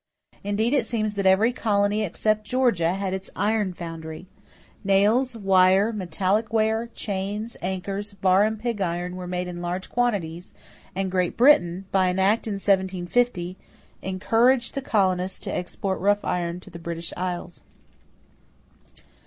Indeed it seems that every colony, except Georgia, had its iron foundry. Nails, wire, metallic ware, chains, anchors, bar and pig iron were made in large quantities; and Great Britain, by an act in 1750, encouraged the colonists to export rough iron to the British Islands.